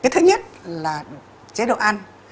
thứ nhất là chế độ ăn